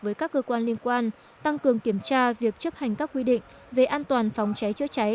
với các cơ quan liên quan tăng cường kiểm tra việc chấp hành các quy định về an toàn phòng cháy chữa cháy